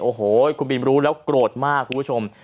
โอ้โหคุณบินรู้แล้วโกรธมากคุณผู้ชม